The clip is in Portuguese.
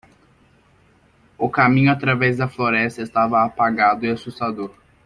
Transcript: O caminho através da floresta estava apagado e assustador.